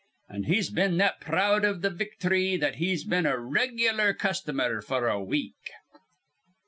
"An' he's been that proud iv th' victhry that he's been a reg'lar customer f'r a week."